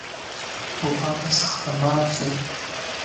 توپان به سخت تمام شی